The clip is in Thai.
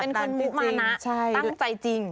เป็นคนมุมานะตั้งใจจริง